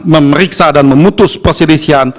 memeriksa dan memutus perselisihan